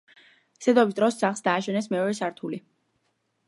სედოვის დროს სახლს დააშენეს მეორე სართული.